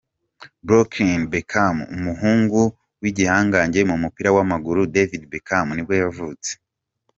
Brooklyn Beckham, umuhungu w’igihangange mu mupira w’amaguru David Beckham nibwo yavutse.